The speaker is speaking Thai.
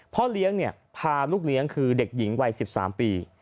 พ่อเลี้ยงพาลูกเลี้ยงคือเด็กหญิงวัย๑๓ปี